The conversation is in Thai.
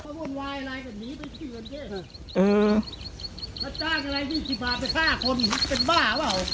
มาจ้างยังไงผมก็ไปฆ่าคนอันนี้ยี่สิบบาท